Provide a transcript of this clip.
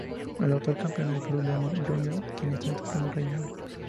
El actual campeón es Blue Demon, Jr., quien está en su primer reinado.